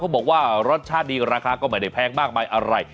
บอกว่ารสชาติดีราคาก็ไม่ได้แพงมากมายอะไร